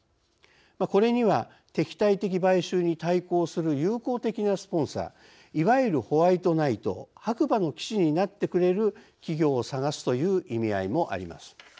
これには敵対的買収に対抗する友好的なスポンサーいわゆるホワイトナイト白馬の騎士になってくれる企業を探すという意味合いもあります。